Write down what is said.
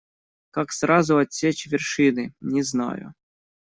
Как сразу отсечь вершины - не знаю.